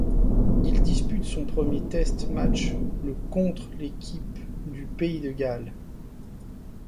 Il dispute son premier test match le contre l'équipe du pays de Galles.